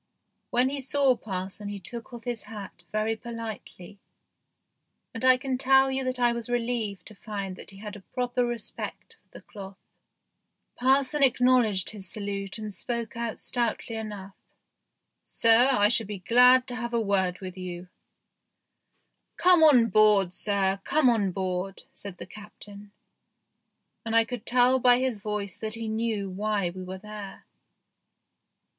When he saw parson he took off his hat very politely, and I can tell you that I was relieved to find that he had a proper respect for the cloth. Parson acknowledged his salute and spoke out stoutly enough. " Sir, I should be glad to have a word with you." " Come on board, sir ; come on board," said the Captain, and I could tell by his voice that he knew why we were there.